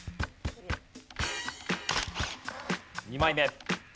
２枚目。